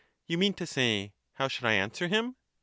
You mean to say, how should I answer him?